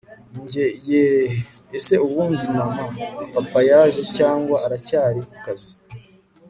njye yeeeeeh! ese ubundi mama, papa yaje cyangwa aracyari kukazi!